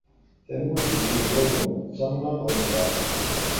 Tamurt n Yizwawen d tamnaḍt-nteɣ.